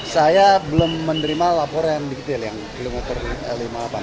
saya belum menerima laporan detail yang belum terlihat